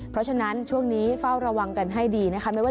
เพราะฉะนั้นช่วงนี้เฝ้าระวังกันให้ดีนะคะ